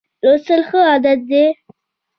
لوستل ښه عادت دی.